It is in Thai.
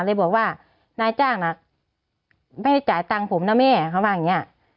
เลยบอกว่านายจ้างน่ะไม่ได้จ่ายตังค์ผมนะแม่เขาว่าอย่างนี้